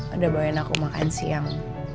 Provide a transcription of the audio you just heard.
ada bawain aku makan siang